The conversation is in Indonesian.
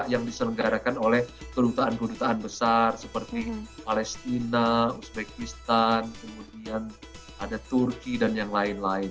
yang diselenggarakan oleh kedutaan kedutaan besar seperti palestina uzbekistan kemudian ada turki dan yang lain lain